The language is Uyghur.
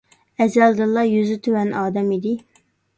ئەزەلدىنلا يۈزى تۆۋەن ئادەم ئىدى.